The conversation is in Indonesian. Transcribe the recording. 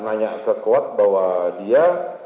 nanya ke kuat bahwa dia